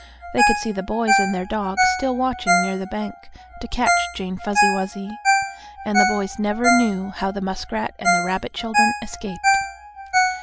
They could see the boys and their dog still watching near the bank to catch Jane Fuzzy Wuzzy, and the boys never knew how the muskrat and the rabbit children escaped.